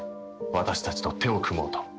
私たちと手を組もうと。